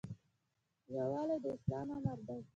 یووالی د اسلام امر دی